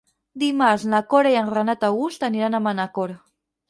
Dimarts na Cora i en Renat August aniran a Manacor.